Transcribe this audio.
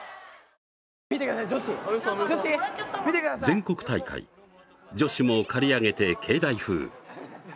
全国大会女子も刈り上げて、けいだい風。